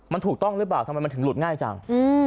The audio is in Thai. มันถูกต้องหรือเปล่าทำไมมันถึงหลุดง่ายจัง